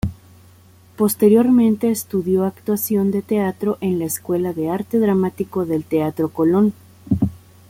Posteriormente estudió actuación de teatro en la Escuela de Arte Dramático del Teatro Colón.